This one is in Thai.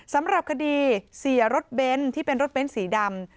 สำหรับคดีเสียรถเบนท์ที่เป็นรถเบ้นสีดำ